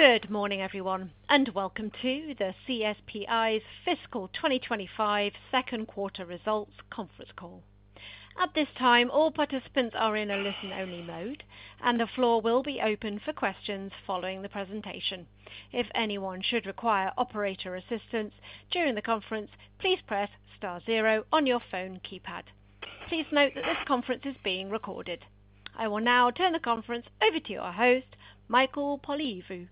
Good morning, everyone, and welcome to CSP's Fiscal 2025 Second Quarter Results Conference Call. At this time, all participants are in a listen-only mode, and the floor will be open for questions following the presentation. If anyone should require operator assistance during the conference, please press star zero on your phone keypad. Please note that this conference is being recorded. I will now turn the conference over to your host, Michael Polyviou.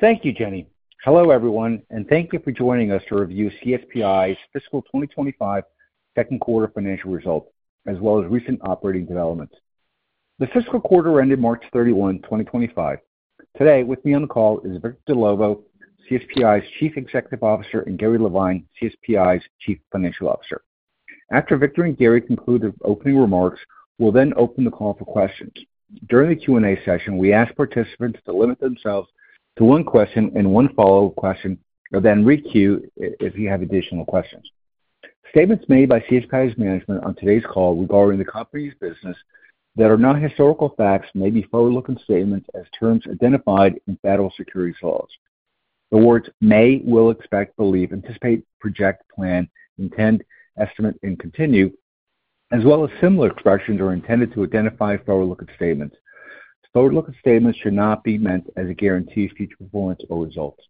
Thank you, Jenny. Hello, everyone, and thank you for joining us to review CSP's Fiscal 2025 Second Quarter financial results, as well as recent operating developments. The fiscal quarter ended March 31, 2025. Today, with me on the call is Victor Dellovo, CSP's Chief Executive Officer, and Gary Levine, CSP's Chief Financial Officer. After Victor and Gary conclude their opening remarks, we'll then open the call for questions. During the Q&A session, we ask participants to limit themselves to one question and one follow-up question, and then re-queue if you have additional questions. Statements made by CSP's management on today's call regarding the company's business that are not historical facts may be forward-looking statements as terms identified in federal securities laws. The words may, will, expect, believe, anticipate, project, plan, intend, estimate, and continue, as well as similar expressions, are intended to identify forward-looking statements. Forward-looking statements should not be meant as a guarantee of future performance or results.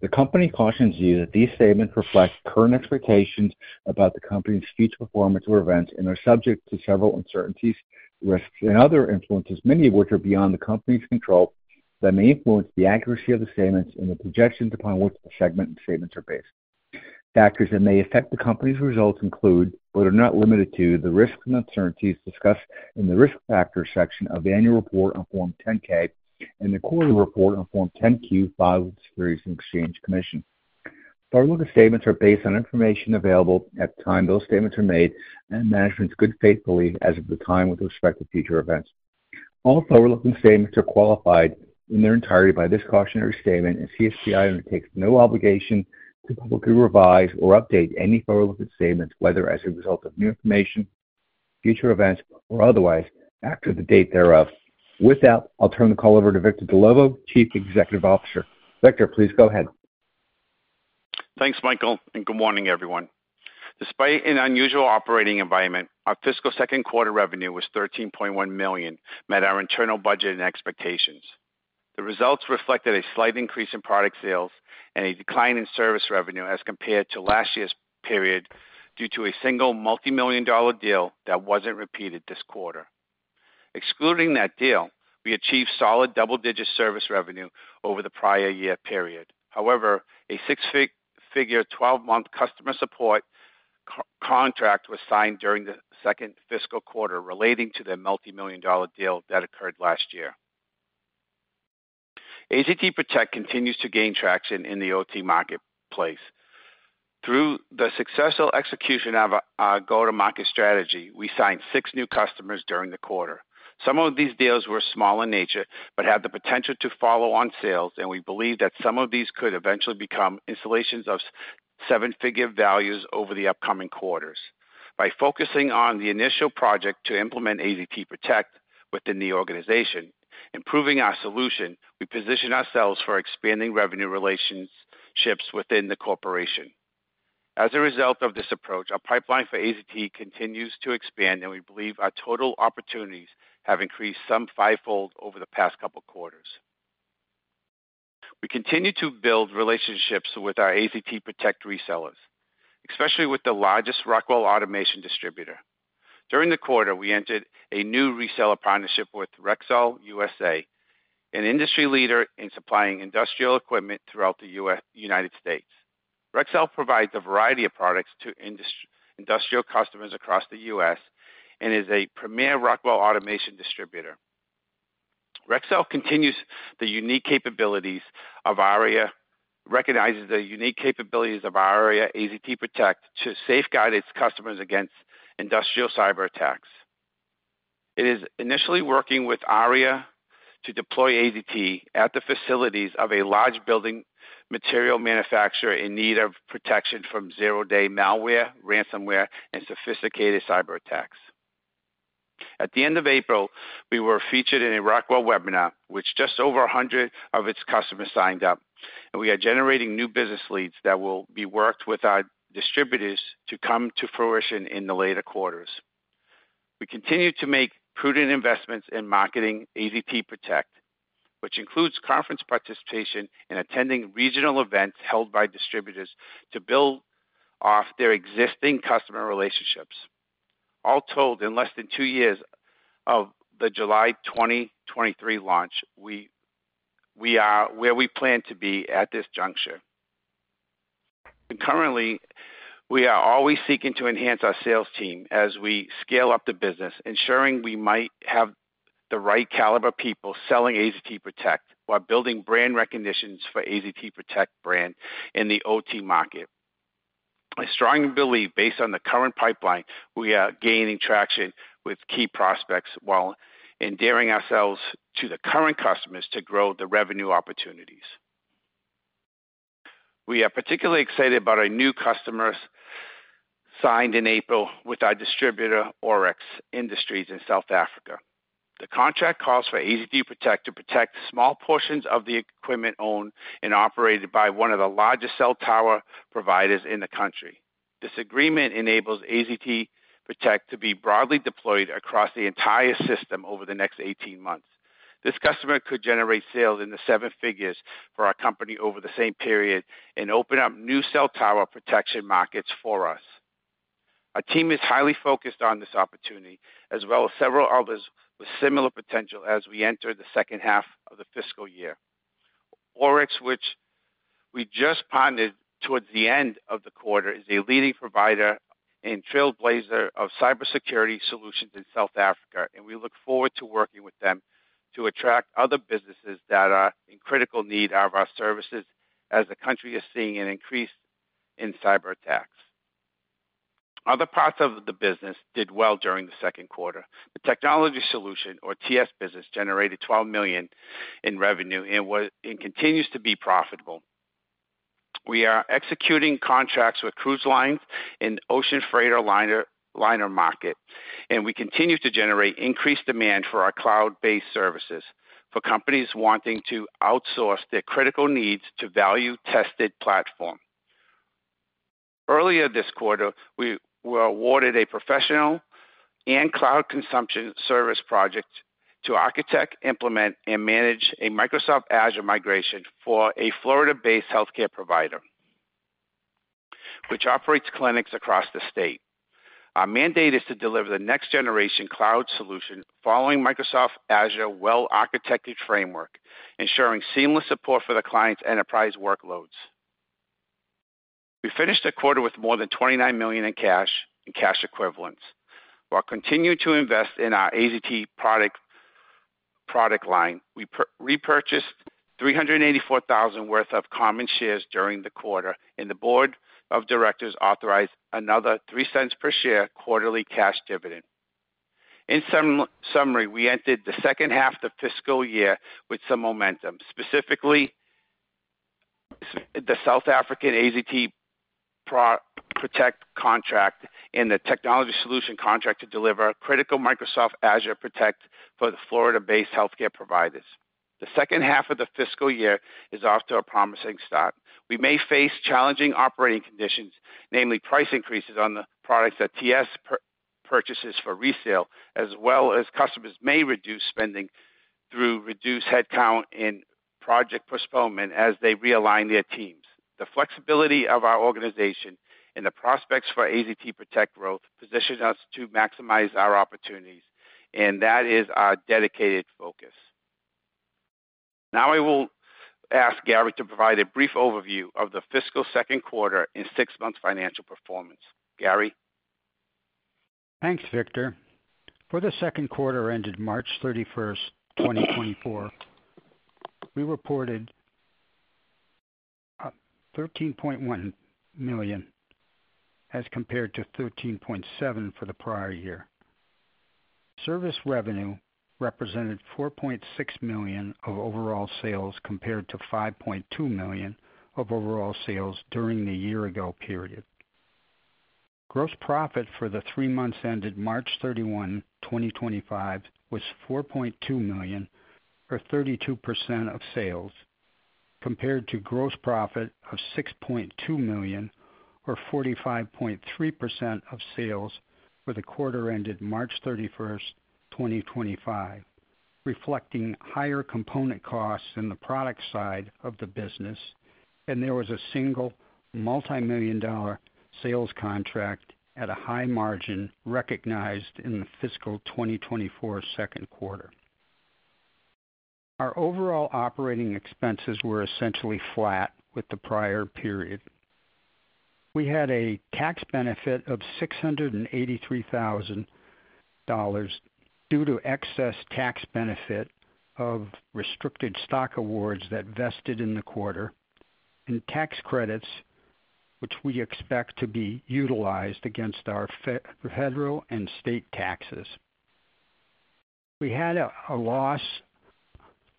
The company cautions you that these statements reflect current expectations about the company's future performance or events and are subject to several uncertainties, risks, and other influences, many of which are beyond the company's control, that may influence the accuracy of the statements and the projections upon which the segment of statements are based. Factors that may affect the company's results include, but are not limited to, the risks and uncertainties discussed in the risk factors section of the annual report on Form 10-K and the quarterly report on Form 10-Q filed with the Securities and Exchange Commission. Forward-looking statements are based on information available at the time those statements are made and management's good faith belief as of the time with respect to future events. All forward-looking statements are qualified in their entirety by this cautionary statement, and CSP undertakes no obligation to publicly revise or update any forward-looking statements, whether as a result of new information, future events, or otherwise after the date thereof. With that, I'll turn the call over to Victor Dellovo, Chief Executive Officer. Victor, please go ahead. Thanks, Michael, and good morning, everyone. Despite an unusual operating environment, our fiscal second quarter revenue was $13.1 million, met our internal budget and expectations. The results reflected a slight increase in product sales and a decline in service revenue as compared to last year's period due to a single multi-million dollar deal that was not repeated this quarter. Excluding that deal, we achieved solid double-digit service revenue over the prior year period. However, a six-figure 12-month customer support contract was signed during the second fiscal quarter relating to the multi-million dollar deal that occurred last year. AZT Protect continues to gain traction in the OT marketplace. Through the successful execution of our go-to-market strategy, we signed six new customers during the quarter. Some of these deals were small in nature but had the potential to follow on sales, and we believe that some of these could eventually become installations of seven-figure values over the upcoming quarters. By focusing on the initial project to implement AZT Protect within the organization, improving our solution, we position ourselves for expanding revenue relationships within the corporation. As a result of this approach, our pipeline for AZT continues to expand, and we believe our total opportunities have increased some fivefold over the past couple of quarters. We continue to build relationships with our AZT Protect resellers, especially with the largest Rockwell Automation distributor. During the quarter, we entered a new reseller partnership with Rexel USA, an industry leader in supplying industrial equipment throughout the United States. Rexel provides a variety of products to industrial customers across the US and is a premier Rockwell Automation distributor. Rexel continues the unique capabilities of ARIA, recognizes the unique capabilities of ARIA AZT Protect to safeguard its customers against industrial cyberattacks. It is initially working with ARIA to deploy AZT at the facilities of a large building material manufacturer in need of protection from zero-day malware, ransomware, and sophisticated cyberattacks. At the end of April, we were featured in a Rockwell webinar, which just over 100 of its customers signed up, and we are generating new business leads that will be worked with our distributors to come to fruition in the later quarters. We continue to make prudent investments in marketing AZT Protect, which includes conference participation and attending regional events held by distributors to build off their existing customer relationships. All told, in less than two years of the July 2023 launch, we are where we plan to be at this juncture. Currently, we are always seeking to enhance our sales team as we scale up the business, ensuring we might have the right caliber people selling AZT Protect while building brand recognition for the AZT Protect brand in the OT market. A strong belief based on the current pipeline, we are gaining traction with key prospects while endearing ourselves to the current customers to grow the revenue opportunities. We are particularly excited about our new customers signed in April with our distributor, Oryx Industries, in South Africa. The contract calls for AZT Protect to protect small portions of the equipment owned and operated by one of the largest cell tower providers in the country. This agreement enables AZT Protect to be broadly deployed across the entire system over the next 18 months. This customer could generate sales in the seven figures for our company over the same period and open up new cell tower protection markets for us. Our team is highly focused on this opportunity, as well as several others with similar potential as we enter the second half of the fiscal year. Oryx, which we just pioneered towards the end of the quarter, is a leading provider and trailblazer of cybersecurity solutions in South Africa, and we look forward to working with them to attract other businesses that are in critical need of our services as the country is seeing an increase in cyberattacks. Other parts of the business did well during the second quarter. The technology solution, or TS business, generated $12 million in revenue and continues to be profitable. We are executing contracts with cruise lines and ocean freighter liner market, and we continue to generate increased demand for our cloud-based services for companies wanting to outsource their critical needs to value-tested platforms. Earlier this quarter, we were awarded a professional and cloud consumption service project to architect, implement, and manage a Microsoft Azure migration for a Florida-based healthcare provider, which operates clinics across the state. Our mandate is to deliver the next-generation cloud solution following Microsoft Azure well-architected framework, ensuring seamless support for the client's enterprise workloads. We finished the quarter with more than $29 million in cash and cash equivalents. While continuing to invest in our AZT Protect product line, we repurchased $384,000 worth of common shares during the quarter, and the board of directors authorized another $0.03 per share quarterly cash dividend. In summary, we entered the second half of the fiscal year with some momentum, specifically the South African AZT Protect contract and the technology solution contract to deliver critical Microsoft Azure Protect for the Florida-based healthcare providers. The second half of the fiscal year is off to a promising start. We may face challenging operating conditions, namely price increases on the products that TS purchases for resale, as well as customers may reduce spending through reduced headcount and project postponement as they realign their teams. The flexibility of our organization and the prospects for AZT Protect growth position us to maximize our opportunities, and that is our dedicated focus. Now, I will ask Gary to provide a brief overview of the fiscal second quarter and six-month financial performance. Gary. Thanks, Victor. For the second quarter ended March 31, 2024, we reported $13.1 million as compared to $13.7 million for the prior year. Service revenue represented $4.6 million of overall sales compared to $5.2 million of overall sales during the year-ago period. Gross profit for the three months ended March 31, 2024, was $4.2 million, or 32% of sales, compared to gross profit of $6.2 million, or 45.3% of sales for the quarter ended March 31, 2023, reflecting higher component costs in the product side of the business, and there was a single multi-million dollar sales contract at a high margin recognized in the fiscal 2023 second quarter. Our overall operating expenses were essentially flat with the prior period. We had a tax benefit of $683,000 due to excess tax benefit of restricted stock awards that vested in the quarter and tax credits, which we expect to be utilized against our federal and state taxes. We had a loss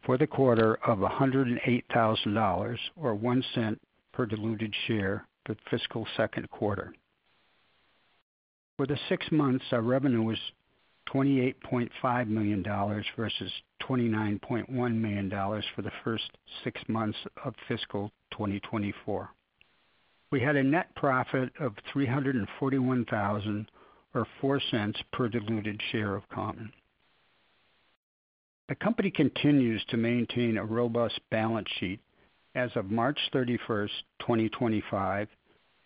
for the quarter of $108,000, or $0.01 per diluted share for the fiscal second quarter. For the six months, our revenue was $28.5 million versus $29.1 million for the first six months of fiscal 2024. We had a net profit of $341,000, or $0.04 per diluted share of common. The company continues to maintain a robust balance sheet as of March 31, 2025,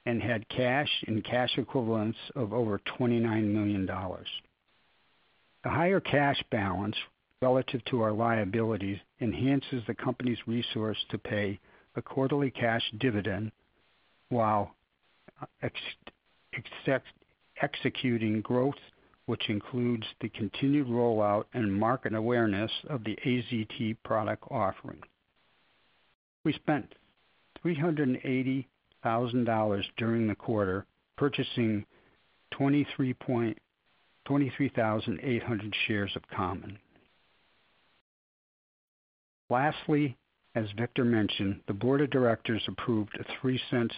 and had cash and cash equivalents of over $29 million. The higher cash balance relative to our liabilities enhances the company's resource to pay a quarterly cash dividend while executing growth, which includes the continued rollout and market awareness of the AZT Protect product offering. We spent $380,000 during the quarter purchasing 23,800 shares of common. Lastly, as Victor mentioned, the board of directors approved a $0.03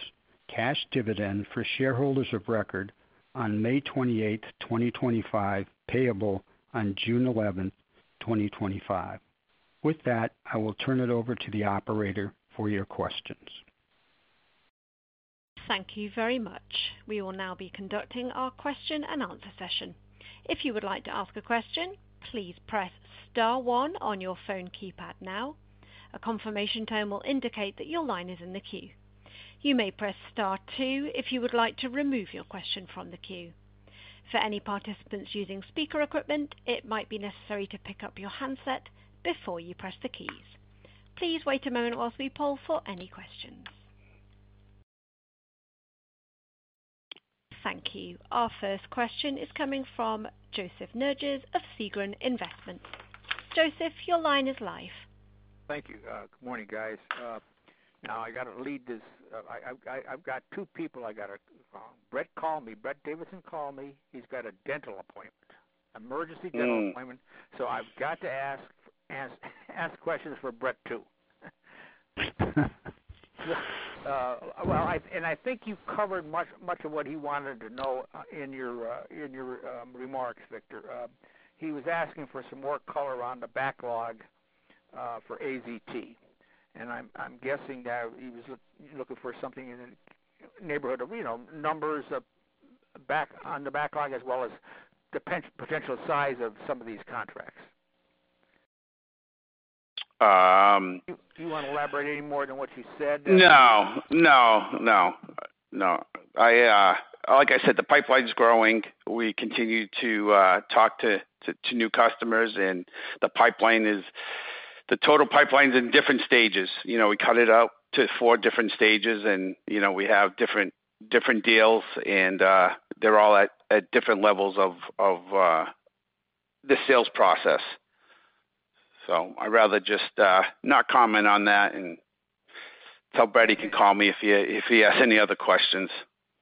cash dividend for shareholders of record on May 28, 2025, payable on June 11, 2025. With that, I will turn it over to the operator for your questions. Thank you very much. We will now be conducting our question and answer session. If you would like to ask a question, please press star one on your phone keypad now. A confirmation tone will indicate that your line is in the queue. You may press star two if you would like to remove your question from the queue. For any participants using speaker equipment, it might be necessary to pick up your handset before you press the keys. Please wait a moment whilst we poll for any questions. Thank you. Our first question is coming from Joseph Nerges of Segren Investments. Joseph, your line is live. Thank you. Good morning, guys. Now, I got to lead this. I've got two people I got to—Brett called me. Brett Davidson called me. He's got a dental appointment, emergency dental appointment. I got to ask questions for Brett too. I think you've covered much of what he wanted to know in your remarks, Victor. He was asking for some more color on the backlog for AZT, and I'm guessing that he was looking for something in the neighborhood of numbers on the backlog as well as the potential size of some of these contracts. Do you want to elaborate any more than what you said? No. Like I said, the pipeline's growing. We continue to talk to new customers, and the total pipeline's in different stages. We cut it up to four different stages, and we have different deals, and they're all at different levels of the sales process. I'd rather just not comment on that, and tell Brett he can call me if he has any other questions.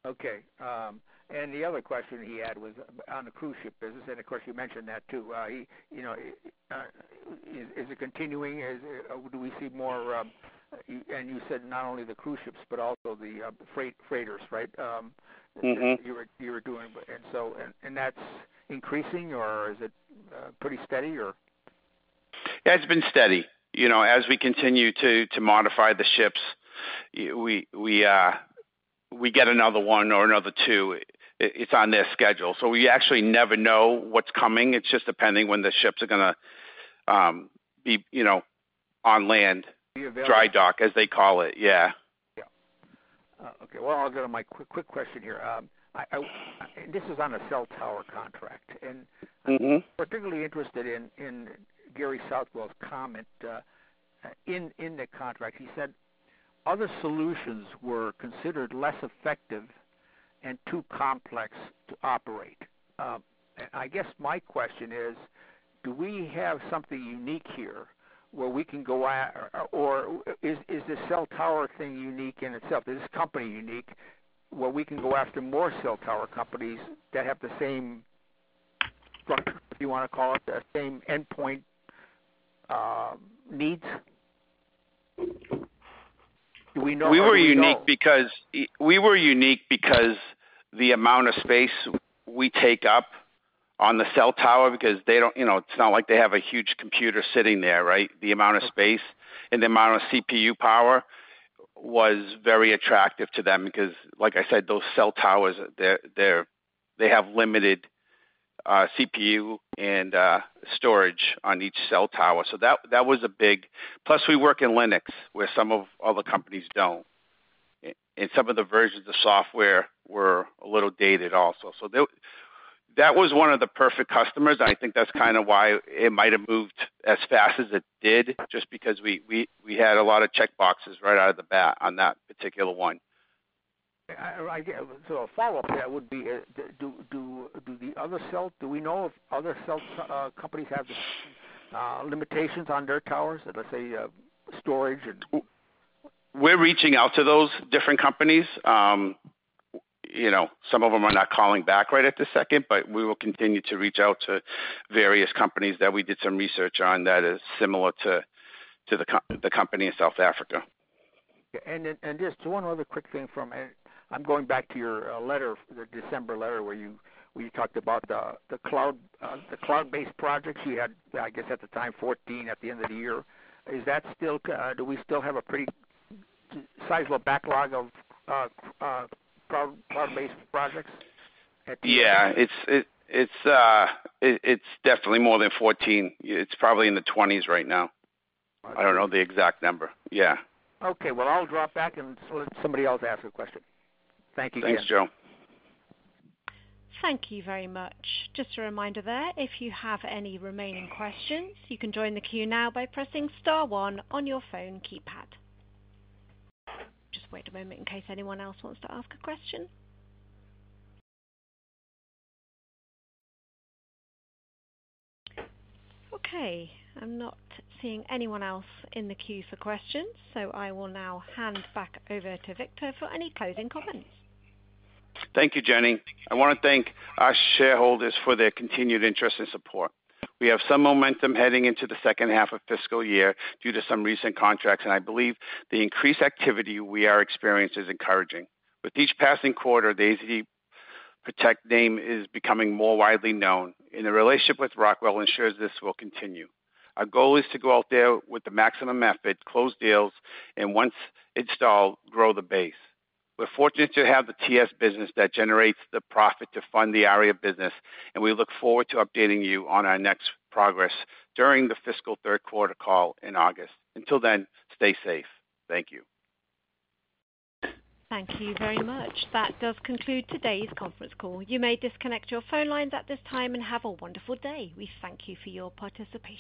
Okay. The other question he had was on the cruise ship business, and of course, you mentioned that too. Is it continuing? Do we see more? You said not only the cruise ships, but also the freighters, right, that you were doing. Is that increasing, or is it pretty steady, or? Yeah, it's been steady. As we continue to modify the ships, we get another one or another two. It's on their schedule. We actually never know what's coming. It's just depending when the ships are going to be on land. The available. Dry dock, as they call it. Yeah. Yeah. Okay. I'll go to my quick question here. This is on a cell tower contract, and I'm particularly interested in Gary Southwell's comment in the contract. He said other solutions were considered less effective and too complex to operate. I guess my question is, do we have something unique here where we can go out, or is the cell tower thing unique in itself? Is this company unique where we can go after more cell tower companies that have the same structure, if you want to call it, the same endpoint needs? Do we know how to. We were unique because the amount of space we take up on the cell tower, because it's not like they have a huge computer sitting there, right? The amount of space and the amount of CPU power was very attractive to them because, like I said, those cell towers, they have limited CPU and storage on each cell tower. That was a big plus. We work in Linux, where some of the other companies do not. Some of the versions of software were a little dated also. That was one of the perfect customers. I think that's kind of why it might have moved as fast as it did, just because we had a lot of checkboxes right out of the bat on that particular one. A follow-up there would be, do we know if other cell companies have limitations on their towers, let's say storage and. We're reaching out to those different companies. Some of them are not calling back right at this second, but we will continue to reach out to various companies that we did some research on that is similar to the company in South Africa. Just one other quick thing from—I'm going back to your December letter where you talked about the cloud-based projects. You had, I guess, at the time, 14 at the end of the year. Is that still—do we still have a pretty sizable backlog of cloud-based projects at the end? Yeah. It's definitely more than 14. It's probably in the 20s right now. I don't know the exact number. Yeah. Okay. I'll drop back and let somebody else ask a question. Thank you again. Thanks, Joe. Thank you very much. Just a reminder there, if you have any remaining questions, you can join the queue now by pressing Star 1 on your phone keypad. Just wait a moment in case anyone else wants to ask a question. Okay. I'm not seeing anyone else in the queue for questions, so I will now hand back over to Victor for any closing comments. Thank you, Jenny. I want to thank our shareholders for their continued interest and support. We have some momentum heading into the second half of fiscal year due to some recent contracts, and I believe the increased activity we are experiencing is encouraging. With each passing quarter, the AZT Protect name is becoming more widely known, and the relationship with Rockwell ensures this will continue. Our goal is to go out there with the maximum effort, close deals, and once installed, grow the base. We're fortunate to have the TS business that generates the profit to fund the ARIA business, and we look forward to updating you on our next progress during the fiscal third quarter call in August. Until then, stay safe. Thank you. Thank you very much. That does conclude today's conference call. You may disconnect your phone lines at this time and have a wonderful day. We thank you for your participation.